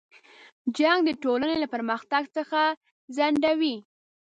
جنګ د ټولنې له پرمختګ څخه ځنډوي.